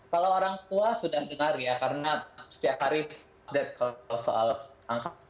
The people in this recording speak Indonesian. kalau orang tua sudah dengar ya karena setiap hari ada kalau soal angka